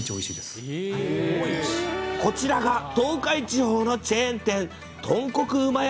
こちらが東海地方のチェーン店、豚旨うま屋